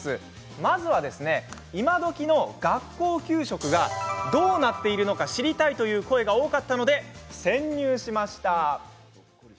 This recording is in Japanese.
まずは、今どきの学校給食がどうなっているのか知りたいという声が多かったので潜入しました。